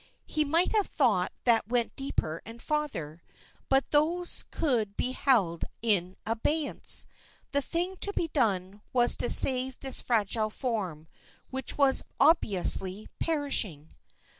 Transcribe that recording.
He might have thoughts that went deeper and farther but those could be held in abeyance. The thing to be done was to save this fragile form, which was obviously perishing.